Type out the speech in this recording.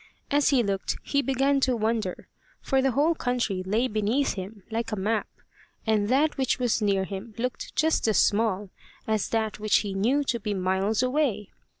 As he looked he began to wonder, for the whole country lay beneath him like a map, and that which was near him looked just as small as that which he knew to be miles away.